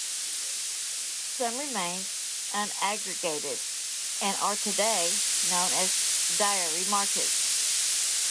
Some remained un-aggregated, and are today known as diary markets.